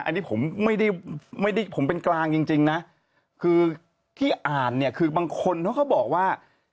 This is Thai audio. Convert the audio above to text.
อันนี้ผมไม่ได้ไม่ได้ผมเป็นกลางจริงนะคือที่อ่านเนี่ยคือบางคนเขาก็บอกว่า